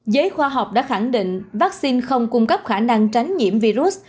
giới khoa học đã khẳng định vaccine không cung cấp khả năng tránh nhiễm virus